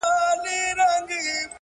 وطن به هلته سور او زرغون سي -